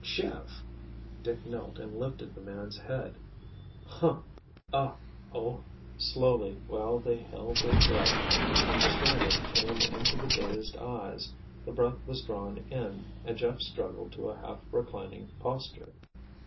"Jeff!" Dick knelt and lifted the man's head. "Huh!—uh—oh!" Slowly, while they held their breath, understanding came into the dazed eyes, the breath was drawn in, and Jeff struggled to a half reclining posture.